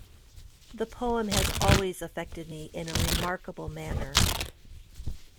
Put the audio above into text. The poem has always affected me in a remarkable manner.